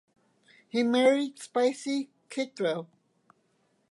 He married Spicy Kittrell.